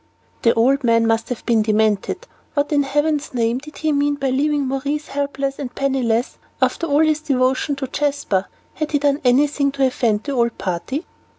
"The old man must have been demented. What in heaven's name did he mean by leaving Maurice helpless and penniless after all his devotion to Jasper? Had he done anything to offend the old party?"